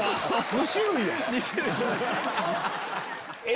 ２種類やん。